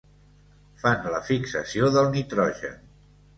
Fan la fixació del nitrogen.